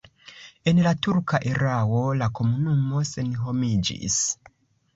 En la turka erao la komunumo senhomiĝis.